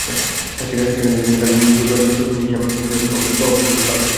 সেখান থেকে তিনি কাল বুধবার যাবেন দক্ষিণ এশিয়া অঞ্চলের প্রভাবশালী দেশ ভারতে।